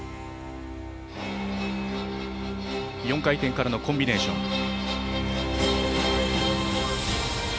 ４回転からのコンビネーション。